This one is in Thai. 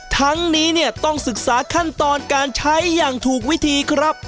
ทั้งนี้เนี่ยต้องศึกษาขั้นตอนการใช้อย่างถูกวิธีครับ